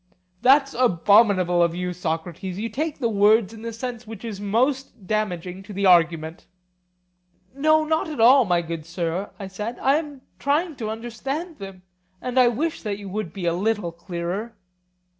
That's abominable of you, Socrates; you take the words in the sense which is most damaging to the argument. Not at all, my good sir, I said; I am trying to understand them; and I wish that you would be a little clearer.